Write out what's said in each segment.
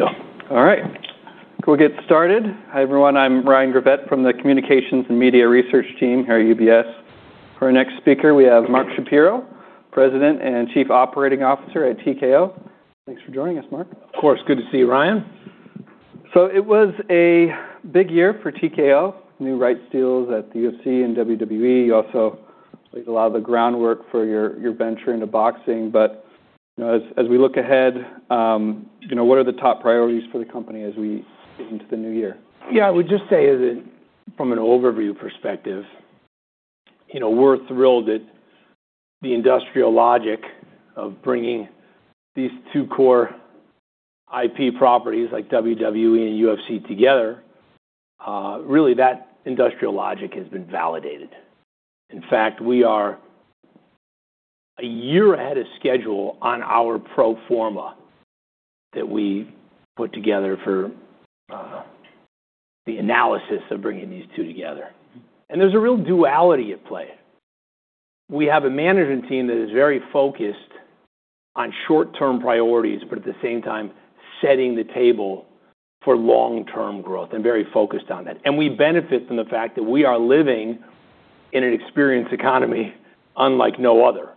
There you go. All right. Could we get started? Hi, everyone. I'm Ryan Gravett from the Communications and Media Research Team here at UBS. For our next speaker, we have Mark Shapiro, President and Chief Operating Officer at TKO. Thanks for joining us, Mark. Of course. Good to see you, Ryan. So it was a big year for TKO, new rights deals at the UFC and WWE. You also laid a lot of the groundwork for your venture into boxing. But as we look ahead, what are the top priorities for the company as we get into the new year? Yeah. I would just say, from an overview perspective, we're thrilled that the industrial logic of bringing these two core IP properties like WWE and UFC together, really that industrial logic has been validated. In fact, we are a year ahead of schedule on our pro forma that we put together for the analysis of bringing these two together. And there's a real duality at play. We have a management team that is very focused on short-term priorities, but at the same time setting the table for long-term growth and very focused on that. And we benefit from the fact that we are living in an experience economy unlike no other.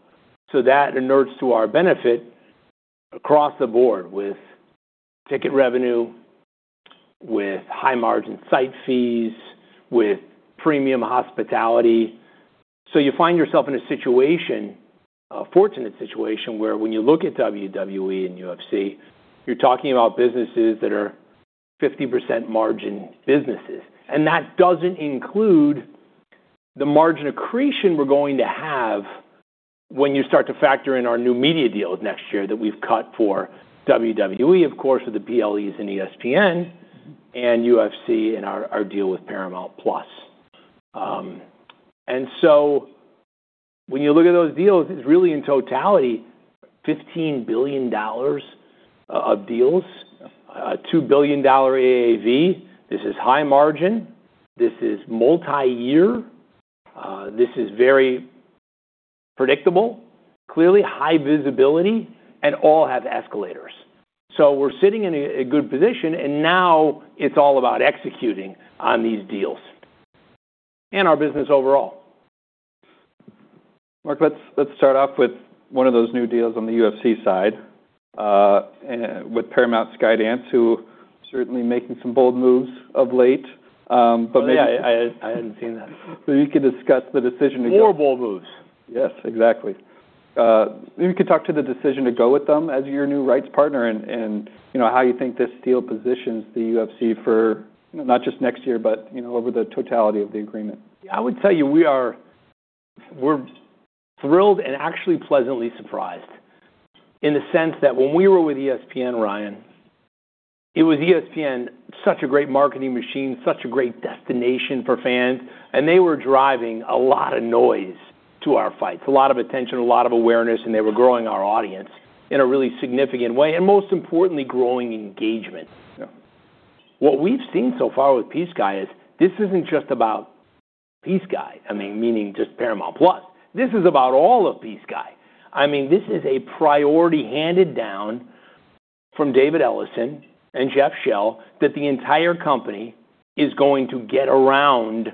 So that inures to our benefit across the board with ticket revenue, with high-margin site fees, with premium hospitality. You find yourself in a situation, a fortunate situation, where when you look at WWE and UFC, you're talking about businesses that are 50% margin businesses. That doesn't include the margin accretion we're going to have when you start to factor in our new media deals next year that we've cut for WWE, of course, with the PLEs and ESPN and UFC and our deal with Paramount+. When you look at those deals, it's really in totality, $15 billion of deals, $2 billion AAV. This is high margin. This is multi-year. This is very predictable, clearly high visibility, and all have escalators. We're sitting in a good position, and now it's all about executing on these deals and our business overall. Mark, let's start off with one of those new deals on the UFC side with Paramount Skydance, who are certainly making some bold moves of late. Yeah. I hadn't seen that. So you could discuss the decision to go. More bold moves. Yes. Exactly. You could talk to the decision to go with them as your new rights partner and how you think this deal positions the UFC for not just next year, but over the totality of the agreement. I would tell you we are thrilled and actually pleasantly surprised in the sense that when we were with ESPN, Ryan, it was ESPN, such a great marketing machine, such a great destination for fans, and they were driving a lot of noise to our fights, a lot of attention, a lot of awareness, and they were growing our audience in a really significant way, and most importantly, growing engagement. What we've seen so far with Skydance is this isn't just about Skydance, I mean, meaning just Paramount+. This is about all of Skydance. I mean, this is a priority handed down from David Ellison and Jeff Shell that the entire company is going to get around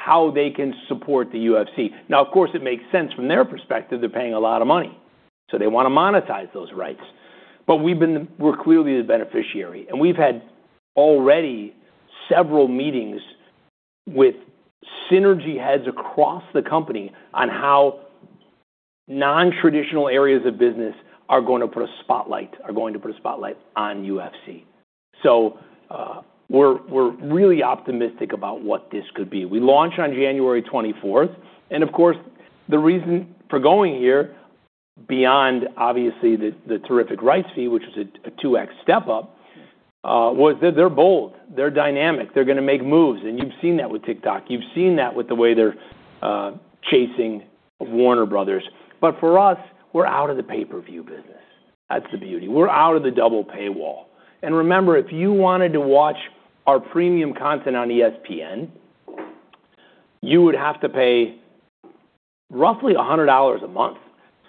how they can support the UFC. Now, of course, it makes sense from their perspective. They're paying a lot of money, so they want to monetize those rights. But we're clearly the beneficiary, and we've had already several meetings with synergy heads across the company on how non-traditional areas of business are going to put a spotlight, are going to put a spotlight on UFC. So we're really optimistic about what this could be. We launched on January 24th, and of course, the reason for going here, beyond obviously the terrific rights fee, which was a 2X step-up, was that they're bold. They're dynamic. They're going to make moves, and you've seen that with TikTok. You've seen that with the way they're chasing Warner Bros. But for us, we're out of the pay-per-view business. That's the beauty. We're out of the double paywall. Remember, if you wanted to watch our premium content on ESPN, you would have to pay roughly $100 a month,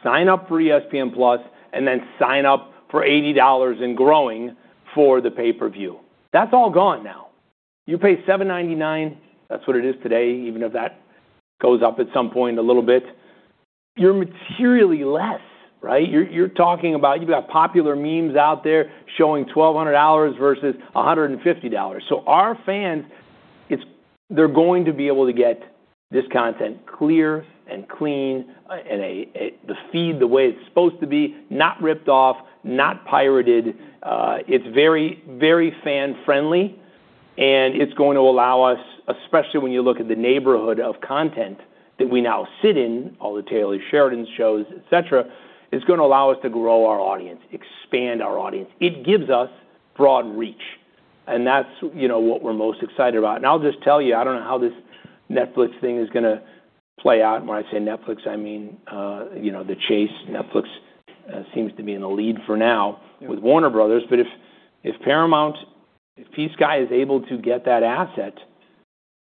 sign up for ESPN+, and then sign up for $80 and growing for the pay-per-view. That's all gone now. You pay $7.99. That's what it is today, even if that goes up at some point a little bit. You're materially less, right? You're talking about you've got popular memes out there showing $1,200 versus $150. So our fans, they're going to be able to get this content clear and clean and feed the way it's supposed to be, not ripped off, not pirated. It's very, very fan-friendly, and it's going to allow us, especially when you look at the neighborhood of content that we now sit in, all the Taylor Sheridan shows, etc., it's going to allow us to grow our audience, expand our audience. It gives us broad reach, and that's what we're most excited about. And I'll just tell you, I don't know how this Netflix thing is going to play out. When I say Netflix, I mean the chase. Netflix seems to be in the lead for now with Warner Bros. But if Paramount, if P-Sky is able to get that asset,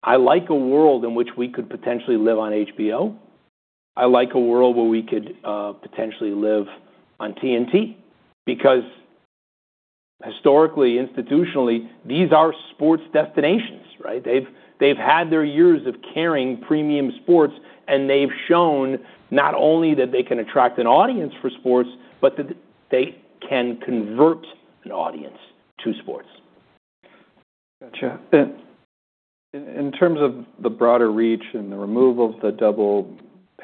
I like a world in which we could potentially live on HBO. I like a world where we could potentially live on TNT because historically, institutionally, these are sports destinations, right? They've had their years of carrying premium sports, and they've shown not only that they can attract an audience for sports, but that they can convert an audience to sports. Gotcha. In terms of the broader reach and the removal of the double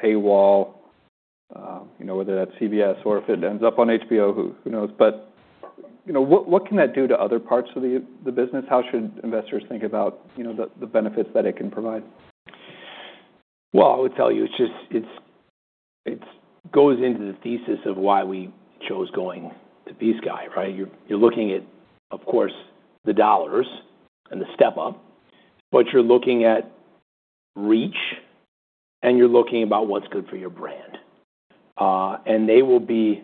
paywall, whether that's CBS or if it ends up on HBO, who knows? But what can that do to other parts of the business? How should investors think about the benefits that it can provide? Well, I would tell you it goes into the thesis of why we chose going to P-Sky, right? You're looking at, of course, the dollars and the step-up, but you're looking at reach, and you're looking about what's good for your brand. And they will be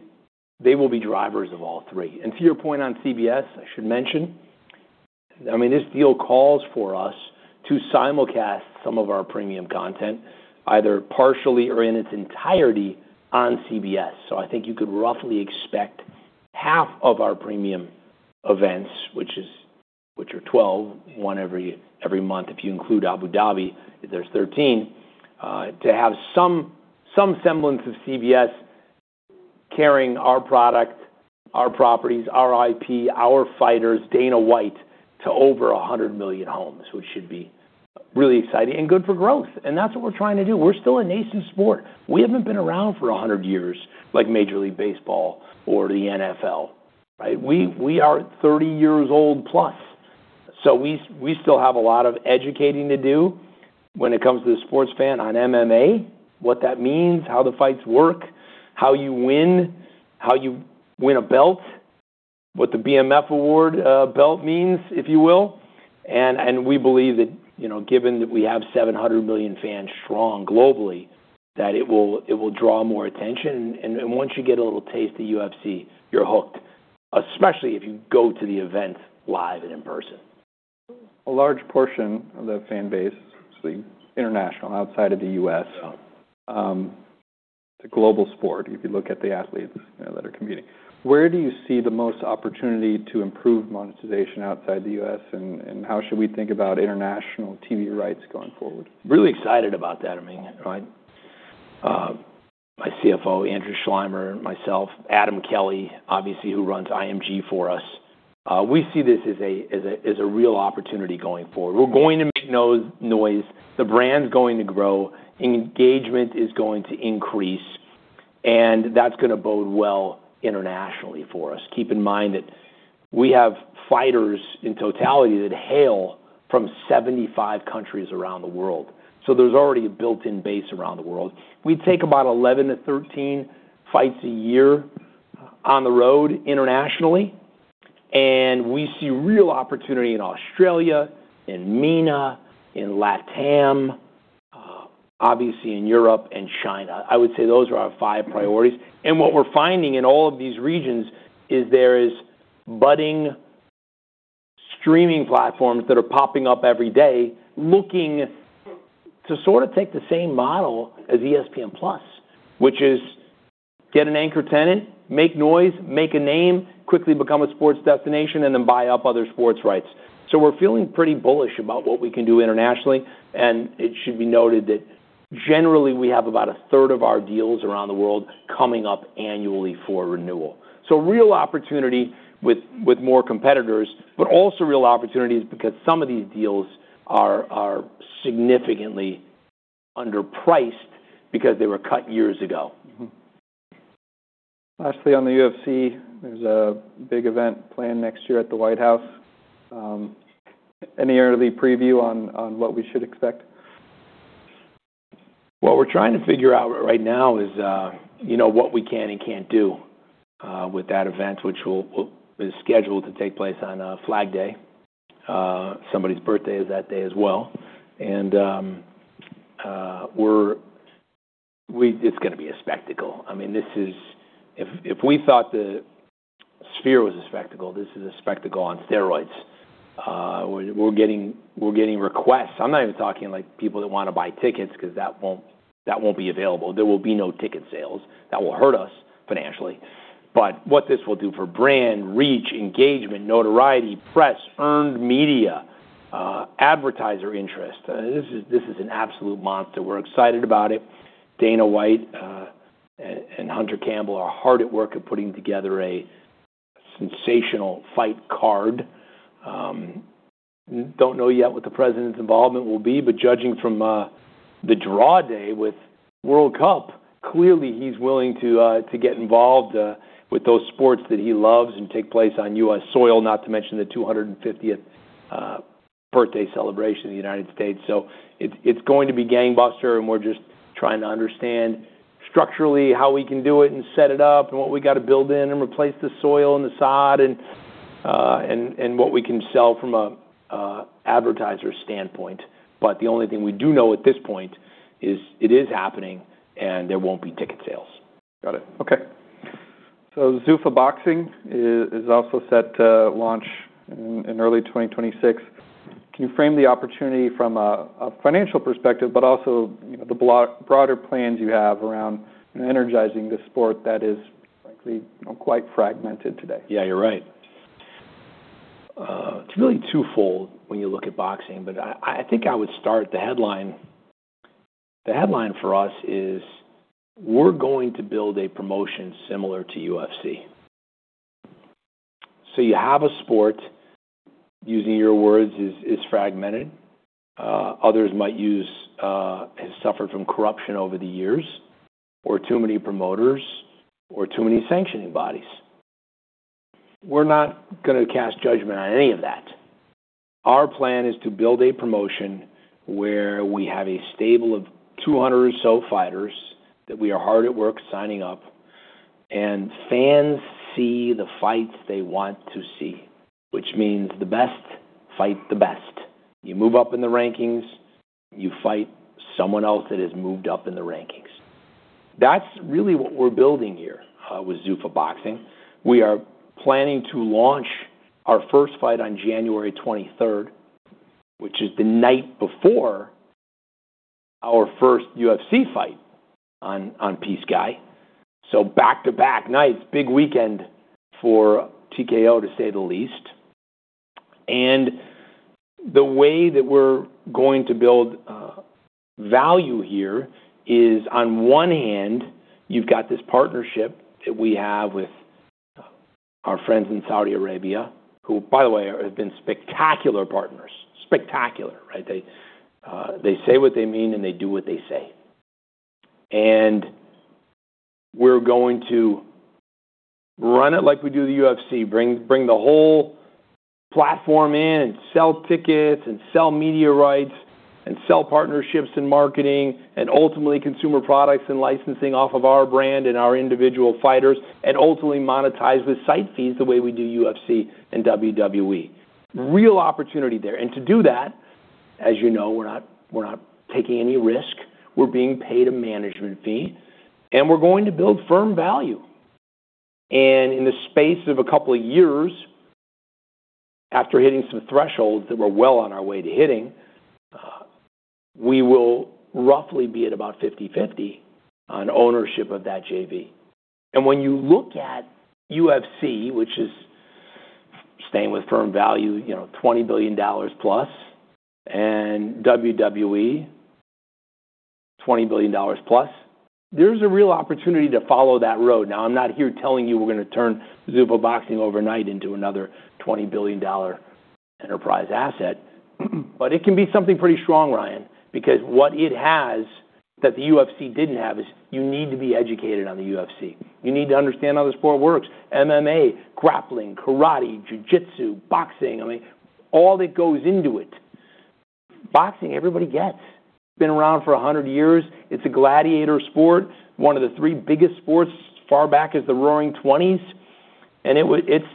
drivers of all three. And to your point on CBS, I should mention, I mean, this deal calls for us to simulcast some of our premium content either partially or in its entirety on CBS. So I think you could roughly expect half of our premium events, which are 12, one every month. If you include Abu Dhabi, there's 13, to have some semblance of CBS carrying our product, our properties, our IP, our fighters, Dana White, to over 100 million homes, which should be really exciting and good for growth. And that's what we're trying to do. We're still a nascent sport. We haven't been around for 100 years like Major League Baseball or the NFL, right? We are 30 years old plus. So we still have a lot of educating to do when it comes to the sports fan on MMA, what that means, how the fights work, how you win, how you win a belt, what the BMF Award belt means, if you will. And we believe that given that we have 700 million fans strong globally, that it will draw more attention. And once you get a little taste of UFC, you're hooked, especially if you go to the event live and in person. A large portion of the fan base is international outside of the U.S. It's a global sport. If you look at the athletes that are competing, where do you see the most opportunity to improve monetization outside the U.S.? And how should we think about international TV rights going forward? Really excited about that. I mean, my CFO, Andrew Schleimer, myself, Adam Kelly, obviously, who runs IMG for us, we see this as a real opportunity going forward. We're going to make noise. The brand's going to grow. Engagement is going to increase, and that's going to bode well internationally for us. Keep in mind that we have fighters in totality that hail from 75 countries around the world. So there's already a built-in base around the world. We take about 11-13 fights a year on the road internationally, and we see real opportunity in Australia, in MENA, in LATAM, obviously in Europe and China. I would say those are our five priorities. What we're finding in all of these regions is there is budding streaming platforms that are popping up every day looking to sort of take the same model as ESPN+, which is get an anchor tenant, make noise, make a name, quickly become a sports destination, and then buy up other sports rights. We're feeling pretty bullish about what we can do internationally. It should be noted that generally we have about a third of our deals around the world coming up annually for renewal. Real opportunity with more competitors, but also real opportunities because some of these deals are significantly underpriced because they were cut years ago. Lastly, on the UFC, there's a big event planned next year at the White House. Any early preview on what we should expect? What we're trying to figure out right now is what we can and can't do with that event, which is scheduled to take place on Flag Day. Somebody's birthday is that day as well. And it's going to be a spectacle. I mean, if we thought the Sphere was a spectacle, this is a spectacle on steroids. We're getting requests. I'm not even talking like people that want to buy tickets because that won't be available. There will be no ticket sales. That will hurt us financially. But what this will do for brand, reach, engagement, notoriety, press, earned media, advertiser interest, this is an absolute monster. We're excited about it. Dana White and Hunter Campbell are hard at work at putting together a sensational fight card. Don't know yet what the president's involvement will be, but judging from the draw day with World Cup, clearly he's willing to get involved with those sports that he loves and take place on US soil, not to mention the 250th birthday celebration of the United States, so it's going to be gangbuster, and we're just trying to understand structurally how we can do it and set it up and what we got to build in and replace the soil and the sod and what we can sell from an advertiser standpoint, but the only thing we do know at this point is it is happening, and there won't be ticket sales. Got it. Okay. So Zuffa Boxing is also set to launch in early 2026. Can you frame the opportunity from a financial perspective, but also the broader plans you have around energizing the sport that is frankly quite fragmented today? Yeah, you're right. It's really twofold when you look at boxing, but I think I would start the headline for us is we're going to build a promotion similar to UFC. So you have a sport, using your words, is fragmented. Others might use has suffered from corruption over the years or too many promoters or too many sanctioning bodies. We're not going to cast judgment on any of that. Our plan is to build a promotion where we have a stable of 200 or so fighters that we are hard at work signing up, and fans see the fights they want to see, which means the best fight the best. You move up in the rankings, you fight someone else that has moved up in the rankings. That's really what we're building here with Zuffa Boxing. We are planning to launch our first fight on January 23rd, which is the night before our first UFC fight on P-Sky, so back-to-back nights, big weekend for TKO, to say the least, and the way that we're going to build value here is on one hand, you've got this partnership that we have with our friends in Saudi Arabia, who, by the way, have been spectacular partners. Spectacular, right? They say what they mean, and they do what they say, and we're going to run it like we do the UFC, bring the whole platform in and sell tickets and sell media rights and sell partnerships and marketing and ultimately consumer products and licensing off of our brand and our individual fighters and ultimately monetize with site fees the way we do UFC and WWE. Real opportunity there. And to do that, as you know, we're not taking any risk. We're being paid a management fee, and we're going to build firm value. And in the space of a couple of years, after hitting some thresholds that we're well on our way to hitting, we will roughly be at about 50/50 on ownership of that JV. And when you look at UFC, which is staying with firm value, $20 billion plus and WWE, $20 billion plus, there's a real opportunity to follow that road. Now, I'm not here telling you we're going to turn Zuffa Boxing overnight into another $20 billion enterprise asset, but it can be something pretty strong, Ryan, because what it has that the UFC didn't have is you need to be educated on the UFC. You need to understand how the sport works. MMA, grappling, karate, jujitsu, boxing, I mean, all that goes into it. Boxing, everybody gets. It's been around for 100 years. It's a gladiator sport, one of the three biggest sports as far back as the roaring 20s, and it's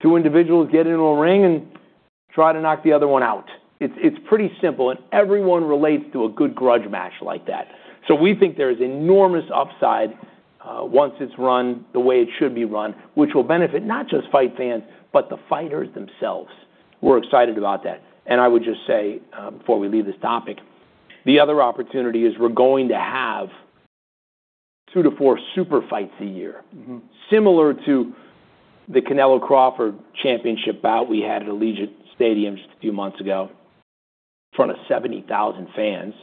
two individuals get in a ring and try to knock the other one out. It's pretty simple, and everyone relates to a good grudge match like that, so we think there is enormous upside once it's run the way it should be run, which will benefit not just fight fans, but the fighters themselves. We're excited about that. And I would just say, before we leave this topic, the other opportunity is we're going to have two to four super fights a year, similar to the Uncertain we had at Allegiant Stadium just a few months ago in front of 70,000 fans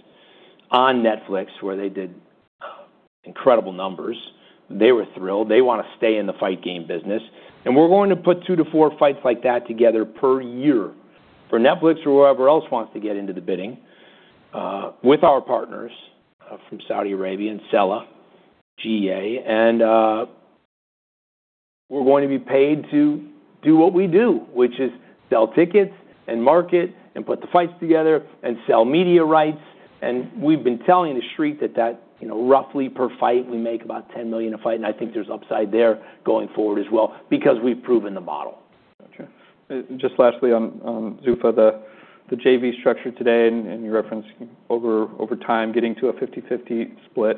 on Netflix, where they did incredible numbers. They were thrilled. They want to stay in the fight game business. And we're going to put two to four fights like that together per year for Netflix or whoever else wants to get into the bidding with our partners from Saudi Arabia and Sela, GEA. And we're going to be paid to do what we do, which is sell tickets and market and put the fights together and sell media rights. And we've been telling the street that roughly per fight, we make about $10 million a fight. I think there's upside there going forward as well because we've proven the model. Gotcha. Just lastly on Zuffa, the JV structure today and your reference over time getting to a 50/50 split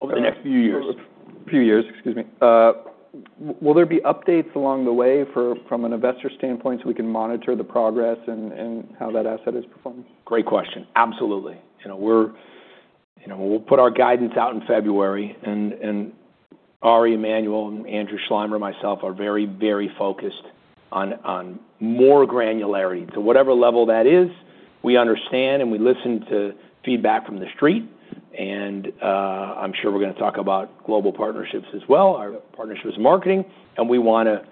over the next few years. Excuse me. Will there be updates along the way from an investor standpoint so we can monitor the progress and how that asset is performing? Great question. Absolutely. We'll put our guidance out in February, and Ari Emanuel and Andrew Schleimer, myself, are very, very focused on more granularity. To whatever level that is, we understand and we listen to feedback from the street. I'm sure we're going to talk about global partnerships as well, our partnerships and marketing. We want to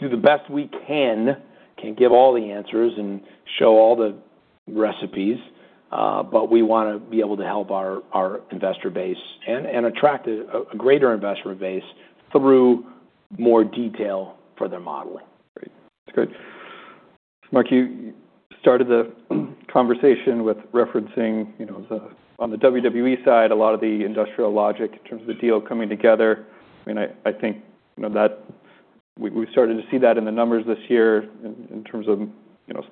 do the best we can, can't give all the answers and show all the recipes, but we want to be able to help our investor base and attract a greater investor base through more detail for their modeling. Great. That's good. Mark, you started the conversation with referencing on the WWE side, a lot of the industrial logic in terms of the deal coming together. I mean, I think we started to see that in the numbers this year in terms of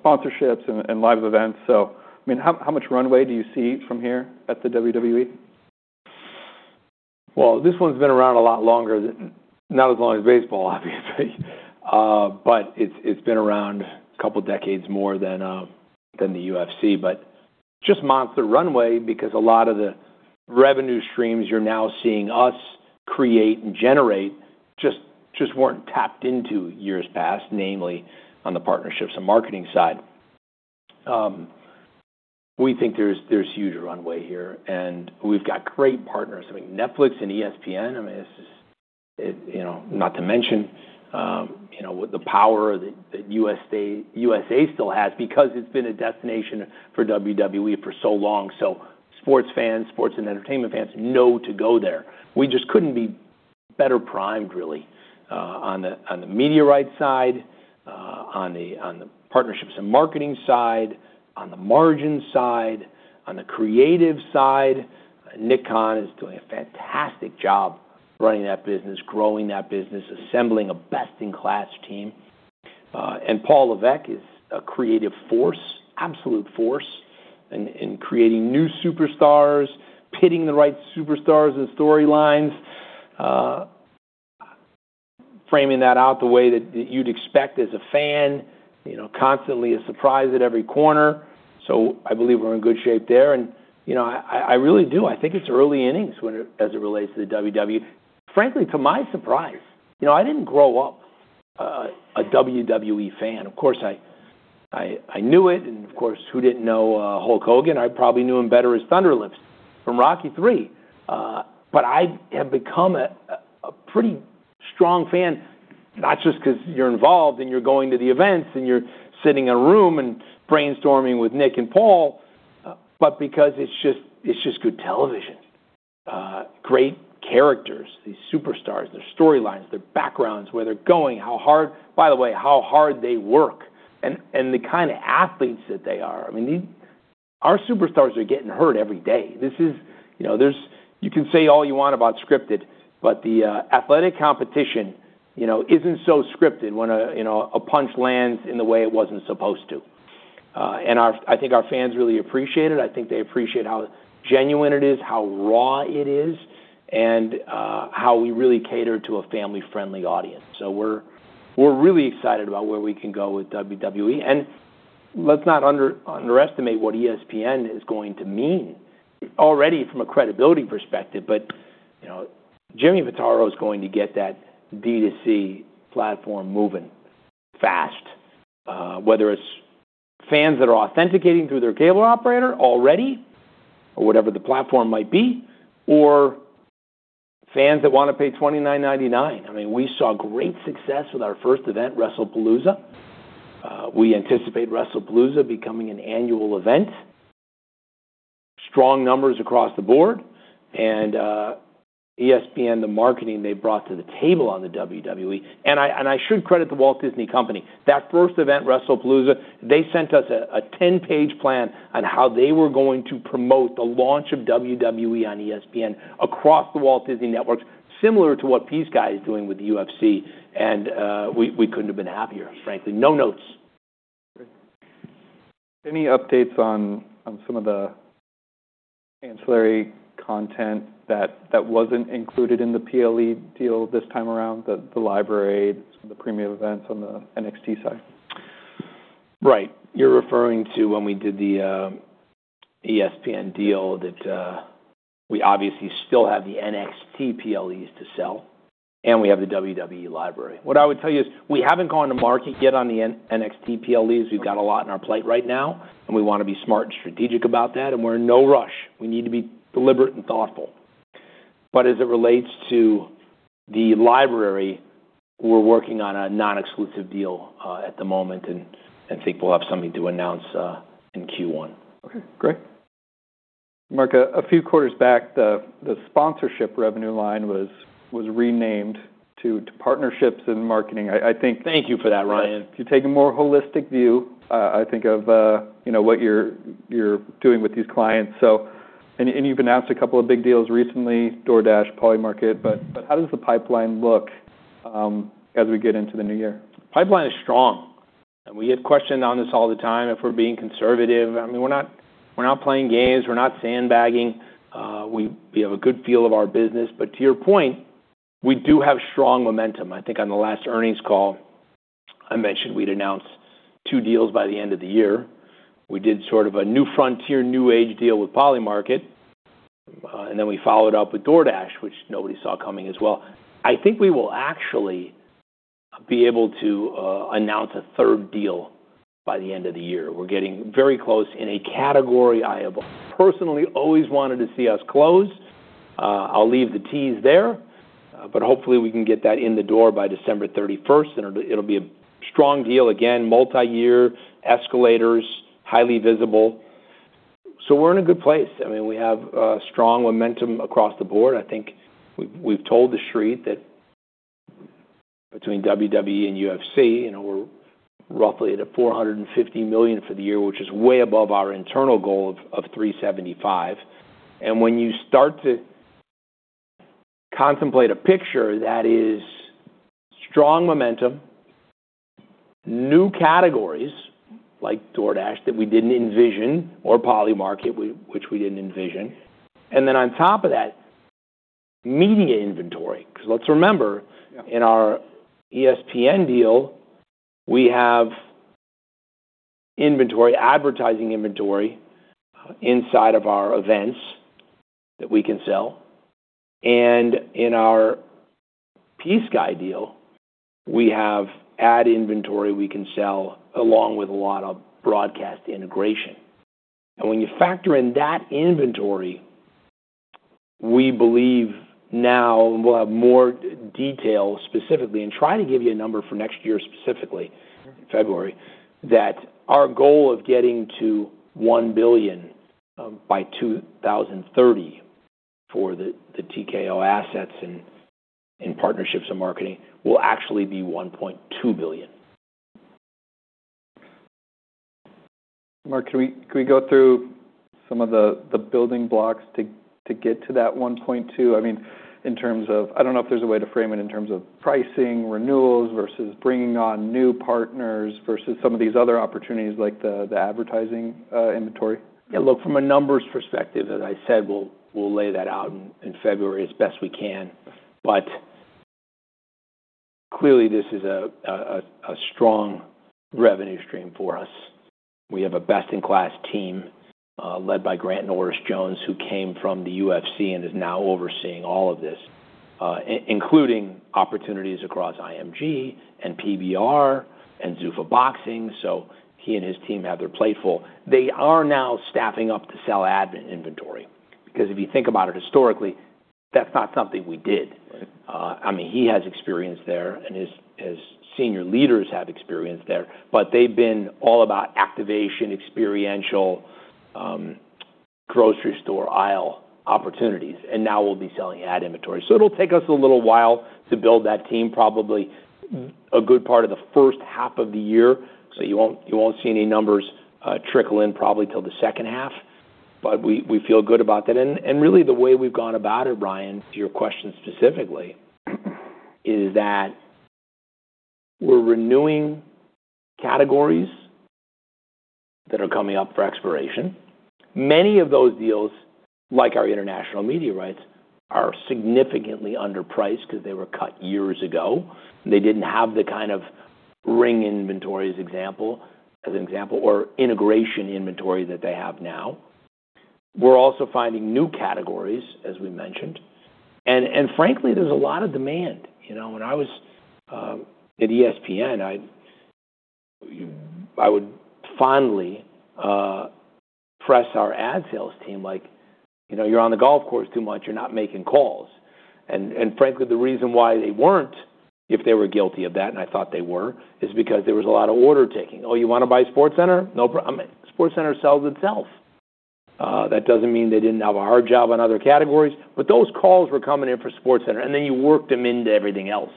sponsorships and live events. So I mean, how much runway do you see from here at the WWE? This one's been around a lot longer, not as long as baseball, obviously, but it's been around a couple of decades more than the UFC. But just months of runway because a lot of the revenue streams you're now seeing us create and generate just weren't tapped into years past, namely on the partnerships and marketing side. We think there's huge runway here, and we've got great partners. I mean, Netflix and ESPN, I mean, not to mention the power that USA still has because it's been a destination for WWE for so long. So sports fans, sports and entertainment fans know to go there. We just couldn't be better primed, really, on the media rights side, on the partnerships and marketing side, on the margin side, on the creative side. Nick Khan is doing a fantastic job running that business, growing that business, assembling a best-in-class team. Paul Levesque is a creative force, absolute force in creating new superstars, pitting the right superstars and storylines, framing that out the way that you'd expect as a fan, constantly a surprise at every corner. So I believe we're in good shape there. And I really do. I think it's early innings as it relates to the WWE. Frankly, to my surprise, I didn't grow up a WWE fan. Of course, I knew it. And of course, who didn't know Hulk Hogan? I probably knew him better as Thunderlips from Rocky III. But I have become a pretty strong fan, not just because you're involved and you're going to the events and you're sitting in a room and brainstorming with Nick and Paul, but because it's just good television, great characters, these superstars, their storylines, their backgrounds, where they're going, how hard, by the way, how hard they work, and the kind of athletes that they are. I mean, our superstars are getting hurt every day. You can say all you want about scripted, but the athletic competition isn't so scripted when a punch lands in the way it wasn't supposed to. And I think our fans really appreciate it. I think they appreciate how genuine it is, how raw it is, and how we really cater to a family-friendly audience. So we're really excited about where we can go with WWE. And let's not underestimate what ESPN is going to mean already from a credibility perspective, but Jimmy Pitaro is going to get that D2C platform moving fast, whether it's fans that are authenticating through their cable operator already or whatever the platform might be, or fans that want to pay $29.99. I mean, we saw great success with our first event, WrestleMania. We anticipate WrestleMania becoming an annual event, strong numbers across the board, and ESPN, the marketing they brought to the table on the WWE. And I should credit the Walt Disney Company. That first event, WrestleMania, they sent us a 10-page plan on how they were going to promote the launch of WWE on ESPN across the Walt Disney Networks, similar to what P-Sky is doing with the UFC. And we couldn't have been happier, frankly. No notes. Any updates on some of the ancillary content that wasn't included in the PLE deal this time around, the library, the premium events on the NXT side? Right. You're referring to when we did the ESPN deal that we obviously still have the NXT PLEs to sell, and we have the WWE library. What I would tell you is we haven't gone to market yet on the NXT PLEs. We've got a lot on our plate right now, and we want to be smart and strategic about that. And we're in no rush. We need to be deliberate and thoughtful. But as it relates to the library, we're working on a non-exclusive deal at the moment and think we'll have something to announce in Q1. Okay. Great. Mark, a few quarters back, the sponsorship revenue line was renamed to partnerships and marketing. I think. Thank you for that, Ryan. You're taking a more holistic view, I think, of what you're doing with these clients. And you've announced a couple of big deals recently, DoorDash, Polymarket. But how does the pipeline look as we get into the new year? Pipeline is strong, and we get questioned on this all the time if we're being conservative. I mean, we're not playing games. We're not sandbagging. We have a good feel of our business, but to your point, we do have strong momentum. I think on the last earnings call, I mentioned we'd announced two deals by the end of the year. We did sort of a new frontier, new age deal with Polymarket, and then we followed up with DoorDash, which nobody saw coming as well. I think we will actually be able to announce a third deal by the end of the year. We're getting very close in a category I have personally always wanted to see us close. I'll leave the T's there, but hopefully we can get that in the door by December 31st, and it'll be a strong deal again, multi-year, escalators, highly visible. So we're in a good place. I mean, we have strong momentum across the board. I think we've told the street that between WWE and UFC, we're roughly at a $450 million for the year, which is way above our internal goal of $375 million. And when you start to contemplate a picture that is strong momentum, new categories like DoorDash that we didn't envision or Polymarket, which we didn't envision. And then on top of that, media inventory. Because let's remember, in our ESPN deal, we have inventory, advertising inventory inside of our events that we can sell. And in our P-Sky deal, we have ad inventory we can sell along with a lot of broadcast integration. When you factor in that inventory, we believe now we'll have more detail specifically and try to give you a number for next year specifically, February, that our goal of getting to $1 billion by 2030 for the TKO assets and partnerships and marketing will actually be $1.2 billion. Mark, can we go through some of the building blocks to get to that 1.2? I mean, in terms of I don't know if there's a way to frame it in terms of pricing, renewals versus bringing on new partners versus some of these other opportunities like the advertising inventory. Yeah. Look, from a numbers perspective, as I said, we'll lay that out in February as best we can. But clearly, this is a strong revenue stream for us. We have a best-in-class team led by Grant Norris-Jones who came from the UFC and is now overseeing all of this, including opportunities across IMG, and PBR, and Zuffa Boxing. So he and his team have their plate full. They are now staffing up to sell ad inventory. Because if you think about it historically, that's not something we did. I mean, he has experience there and his senior leaders have experience there. But they've been all about activation, experiential, grocery store aisle opportunities. And now we'll be selling ad inventory. So it'll take us a little while to build that team, probably a good part of the first half of the year. So you won't see any numbers trickle in probably till the second half. But we feel good about that. And really, the way we've gone about it, Ryan, to your question specifically, is that we're renewing categories that are coming up for expiration. Many of those deals, like our international media rights, are significantly underpriced because they were cut years ago. They didn't have the kind of ring inventories as an example or integration inventory that they have now. We're also finding new categories, as we mentioned. And frankly, there's a lot of demand. When I was at ESPN, I would fondly press our ad sales team like, "You're on the golf course too much. You're not making calls." And frankly, the reason why they weren't, if they were guilty of that, and I thought they were, is because there was a lot of order taking. Oh, you want to buy SportsCenter? No problem." I mean, SportsCenter sells itself. That doesn't mean they didn't have a hard job on other categories. But those calls were coming in for SportsCenter. And then you worked them into everything else.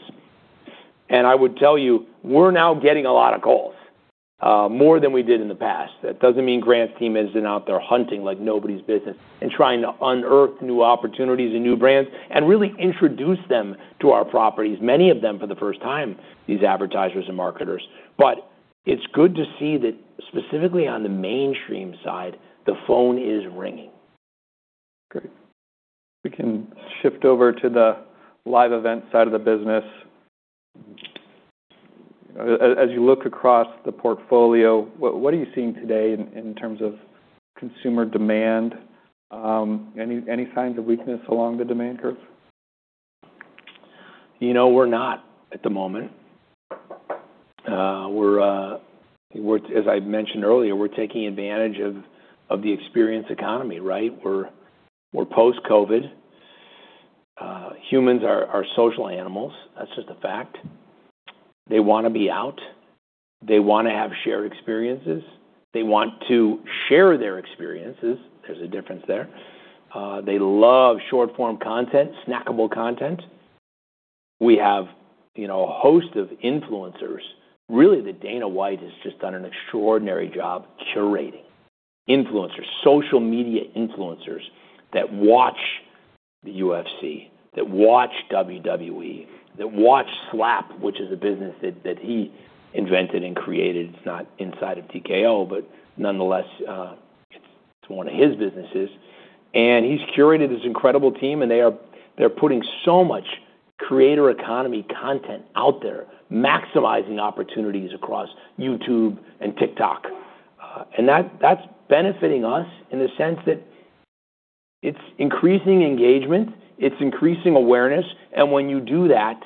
And I would tell you, we're now getting a lot of calls, more than we did in the past. That doesn't mean Grant's team isn't out there hunting like nobody's business and trying to unearth new opportunities and new brands and really introduce them to our properties, many of them for the first time, these advertisers and marketers. But it's good to see that specifically on the mainstream side, the phone is ringing. Great. We can shift over to the live event side of the business. As you look across the portfolio, what are you seeing today in terms of consumer demand? Any signs of weakness along the demand curve? We're not at the moment. As I mentioned earlier, we're taking advantage of the experience economy, right? We're post-COVID. Humans are social animals. That's just a fact. They want to be out. They want to have shared experiences. They want to share their experiences. There's a difference there. They love short-form content, snackable content. We have a host of influencers. Really, Dana White has just done an extraordinary job curating influencers, social media influencers that watch the UFC, that watch WWE, that watch Slap, which is a business that he invented and created. It's not inside of TKO, but nonetheless, it's one of his businesses. And he's curated this incredible team, and they're putting so much creator economy content out there, maximizing opportunities across YouTube and TikTok. And that's benefiting us in the sense that it's increasing engagement. It's increasing awareness. And when you do that,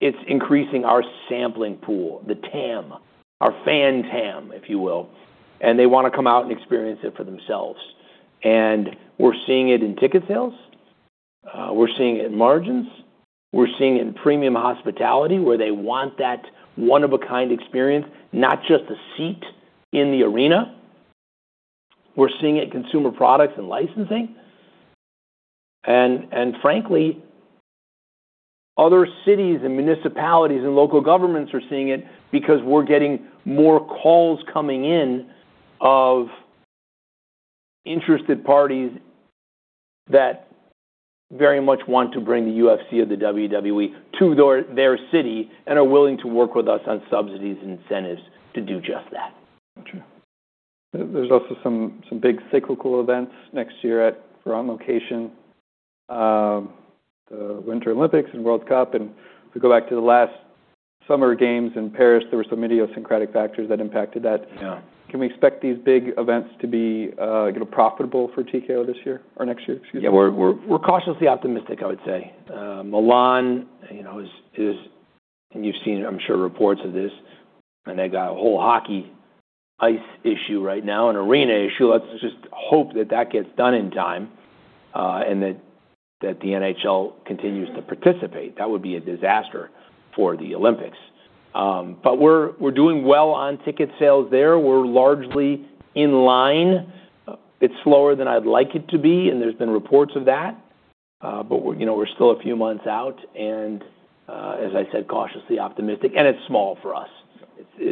it's increasing our sampling pool, the TAM, our fan TAM, if you will. And we're seeing it in ticket sales. We're seeing it in margins. We're seeing it in premium hospitality where they want that one-of-a-kind experience, not just a seat in the arena. We're seeing it in consumer products and licensing. And frankly, other cities and municipalities and local governments are seeing it because we're getting more calls coming in of interested parties that very much want to bring the UFC or the WWE to their city and are willing to work with us on subsidies and incentives to do just that. Gotcha. There's also some big cyclical events next year at your own location, the Winter Olympics and World Cup, and if we go back to the last summer games in Paris, there were some idiosyncratic factors that impacted that. Can we expect these big events to be profitable for TKO this year or next year? Yeah. We're cautiously optimistic, I would say. Milan is, and you've seen, I'm sure, reports of this. And they got a whole hockey ice issue right now and arena issue. Let's just hope that that gets done in time and that the NHL continues to participate. That would be a disaster for the Olympics. But we're doing well on ticket sales there. We're largely in line. It's slower than I'd like it to be, and there's been reports of that. But we're still a few months out. And as I said, cautiously optimistic. And it's small for us.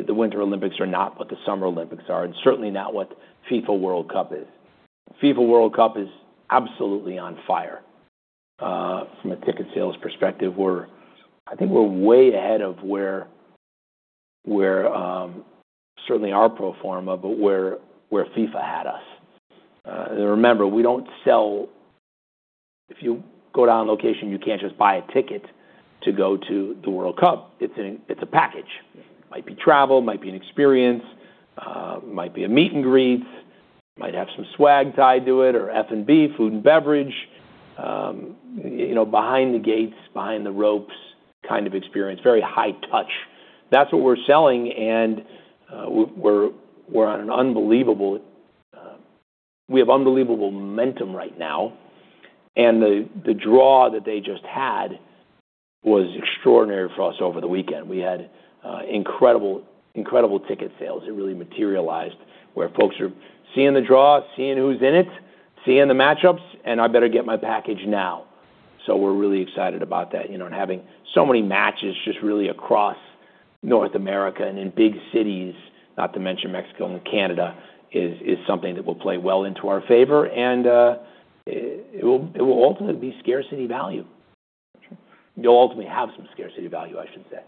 The Winter Olympics are not what the Summer Olympics are and certainly not what FIFA World Cup is. FIFA World Cup is absolutely on fire from a ticket sales perspective. I think we're way ahead of where certainly our pro forma, but where FIFA had us. Remember, we don't sell if you go to our location, you can't just buy a ticket to go to the World Cup. It's a package. It might be travel, might be an experience, might be a meet and greets, might have some swag tied to it or F&B, food and beverage, behind the gates, behind the ropes kind of experience, very high touch. That's what we're selling. We have unbelievable momentum right now. The draw that they just had was extraordinary for us over the weekend. We had incredible ticket sales. It really materialized where folks are seeing the draw, seeing who's in it, seeing the matchups, and I better get my package now. We're really excited about that. Having so many matches just really across North America and in big cities, not to mention Mexico and Canada, is something that will play well into our favor. It will ultimately be scarcity value. It'll ultimately have some scarcity value, I should say.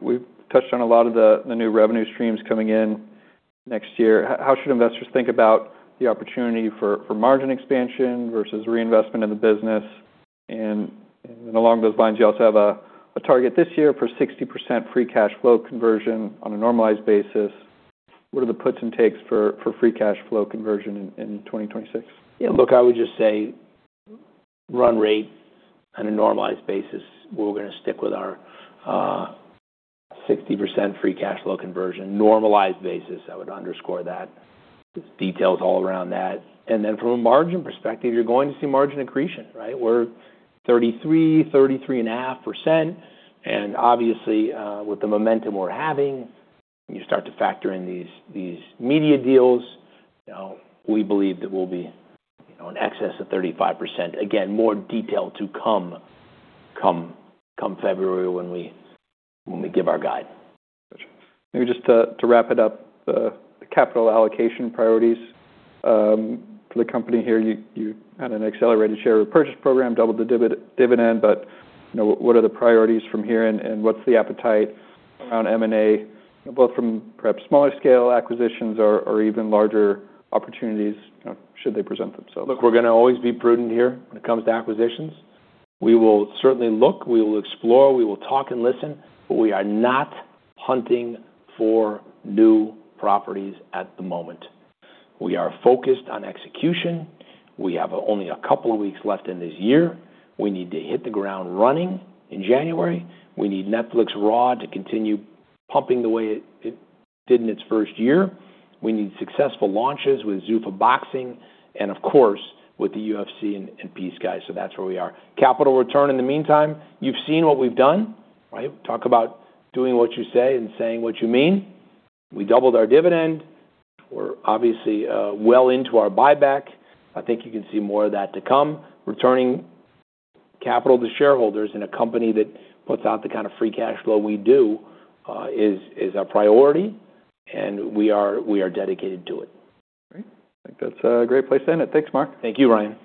We've touched on a lot of the new revenue streams coming in next year. How should investors think about the opportunity for margin expansion versus reinvestment in the business? And along those lines, you also have a target this year for 60% free cash flow conversion on a normalized basis. What are the puts and takes for free cash flow conversion in 2026? Yeah. Look, I would just say run rate on a normalized basis, we're going to stick with our 60% free cash flow conversion. Normalized basis, I would underscore that. There's details all around that. And then from a margin perspective, you're going to see margin accretion, right? We're 33%-33.5%. And obviously, with the momentum we're having, you start to factor in these media deals, we believe that we'll be in excess of 35%. Again, more detail to come February when we give our guide. Gotcha. Maybe just to wrap it up, the capital allocation priorities for the company here. You had an accelerated share repurchase program, doubled the dividend. But what are the priorities from here and what's the appetite around M&A, both from perhaps smaller scale acquisitions or even larger opportunities should they present themselves? Look, we're going to always be prudent here when it comes to acquisitions. We will certainly look. We will explore. We will talk and listen. But we are not hunting for new properties at the moment. We are focused on execution. We have only a couple of weeks left in this year. We need to hit the ground running in January. We need Netflix Raw to continue pumping the way it did in its first year. We need successful launches with Zuffa Boxing and, of course, with the UFC and Skydance. So that's where we are. Capital return in the meantime. You've seen what we've done, right? Talk about doing what you say and saying what you mean. We doubled our dividend. We're obviously well into our buyback. I think you can see more of that to come. Returning capital to shareholders in a company that puts out the kind of free cash flow we do is a priority, and we are dedicated to it. Great. I think that's a great place to end it. Thanks, Mark. Thank you, Ryan.